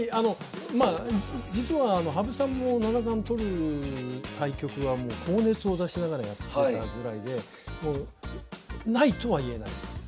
まあ実は羽生さんも七冠取る対局は高熱を出しながらやってたぐらいでもうないとはいえない。